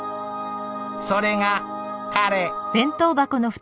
それが彼。